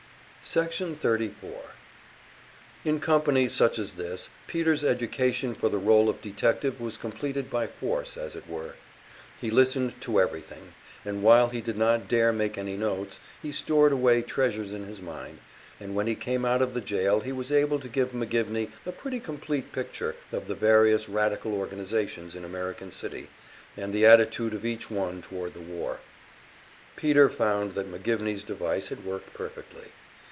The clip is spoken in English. Section 34 In company such as this Peter's education for the role of detective was completed by force, as it were. He listened to everything, and while he did not dare make any notes, he stored away treasures in his mind, and when he came out of the jail he was able to give McGivney a pretty complete picture of the various radical organizations in American City, and the attitude of each one toward the war. Peter found that McGivney's device had worked perfectly.